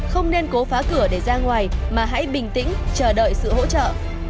không nên cố phá cửa để ra ngoài mà hãy bình tĩnh chờ đợi sự hỗ trợ